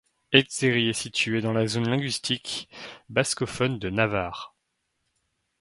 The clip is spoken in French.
Etxerri est situé dans la zone linguistique bascophone de Navarre.